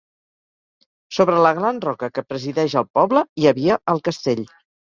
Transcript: Sobre la gran roca que presideix el poble hi havia el castell.